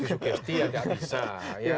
sugesti ya enggak bisa